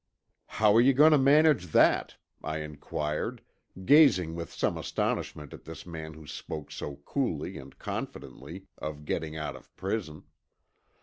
"How are you going to manage that?" I inquired, gazing with some astonishment at this man who spoke so coolly and confidently of getting out of prison.